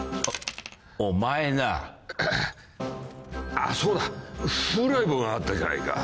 あっそうだ『風来坊』があったじゃないか。